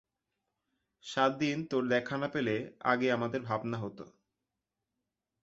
সাতদিন তোর দেখা না পেলে আগে আমাদের ভাবনা হত।